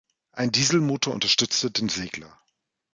Ein Dieselmotor unterstützte den Segler.